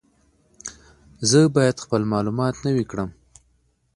زه باید خپل معلومات نوي کړم.